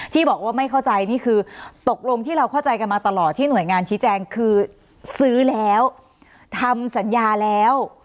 ที่บอกว่าไม่เข้าใจนี่คือตกลงที่เราเข้าใจกันมาตลอดที่หน่วยงานชี้แจงคือซื้อแล้วทำสัญญาแล้ว